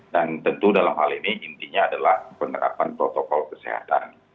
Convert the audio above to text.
dan tentu dalam hal ini intinya adalah penerapan protokol kesehatan